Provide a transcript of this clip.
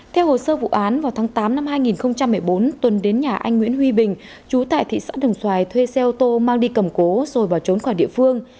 theo hồ sơ vụ án vào tháng tám năm hai nghìn một mươi bốn tuân đến nhà anh nguyễn huy bình chú tại thị xã đồng xoài thuê xe ô tô mang đi cầm cố rồi bỏ trốn khỏi địa phương